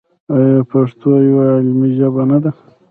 آیا پښتو یوه علمي ژبه نه ده؟